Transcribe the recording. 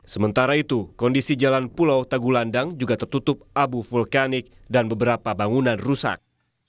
sementara itu kondisi jalan pulau tagulandang juga tertutup abu vulkanik dan beberapa bangunan rusak